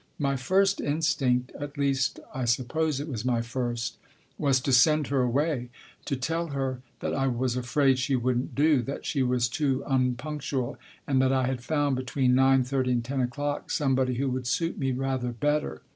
My first instinct (at least, I suppose it was my first) was to send her away ; to tell her that I was afraid she wouldn't do, that she was too unpunctual, and that I had found, between nine thirty and ten o'clock, somebody who would suit me rather better.